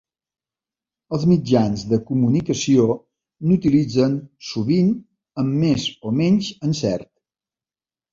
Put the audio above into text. Els mitjans de comunicació n'utilitzen sovint amb més o menys encert.